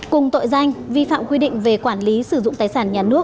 cùng tội danh vi phạm quy định về quản lý sử dụng tài sản nhà nước